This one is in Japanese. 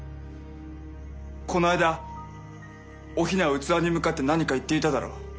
この間お雛は器に向かって何か言っていただろう。